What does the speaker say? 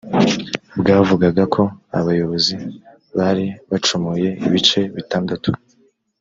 bwavugaga ko abayobozi bari bacomoye ibice bitandatu